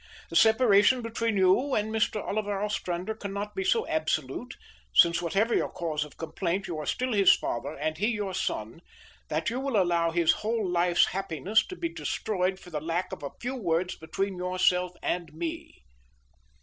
The separation between you and Mr. Oliver Ostrander cannot be so absolute (since whatever your cause of complaint you are still his father and he your son) that you will allow his whole life's happiness to be destroyed for the lack of a few words between yourself and me."